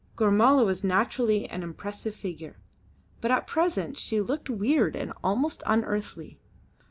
Gormala was naturally an impressive figure, but at present she looked weird and almost unearthly.